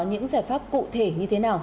những giải pháp cụ thể như thế nào